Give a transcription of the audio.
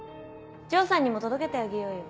城さんにも届けてあげようよ